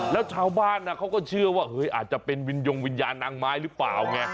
แล้วชาวบ้านเขาก็เชื่อว่าเฮ้ยอาจจะเป็นวิญญงวิญญาณนางไม้หรือเปล่าไง